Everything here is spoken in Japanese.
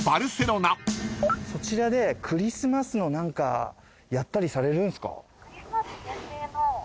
そちらでクリスマスの何かやったりされるんすか？